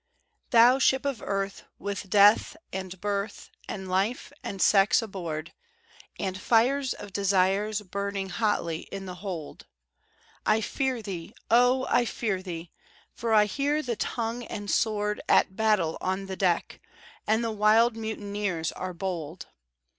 "Thou Ship of Earth, with Death, and Birth, and Life, and Sex aboard, And fires of Desires burning hotly in the hold, I fear thee, O! I fear thee, for I hear the tongue and sword At battle on the deck, and the wild mutineers are bold!